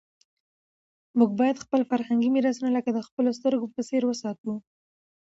موږ باید خپل فرهنګي میراثونه لکه د خپلو سترګو په څېر وساتو.